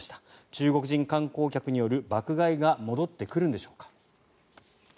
中国人観光客による爆買いが戻ってくるんでしょうか。